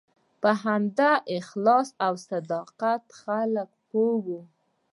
په همدغه اخلاص او صداقت خلک پوه وو.